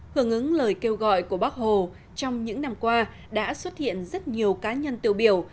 hưởng ứng lời kêu gọi của bác hồ trong những năm qua đã xuất hiện rất nhiều cá nhân tiêu biểu